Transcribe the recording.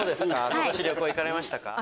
今年旅行行かれましたか？